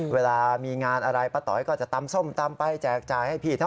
เวลามีงานอะไรป้าต๋อยก็จะตำส้มตำไปแจกจ่ายให้พี่เท่า